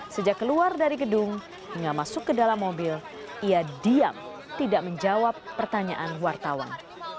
sejak keluar dari gedung hingga masuk ke dalam mobil ia diam tidak menjawab pertanyaan wartawan